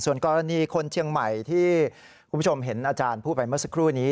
ส่วนกรณีคนเชียงใหม่ที่คุณผู้ชมเห็นอาจารย์พูดไปเมื่อสักครู่นี้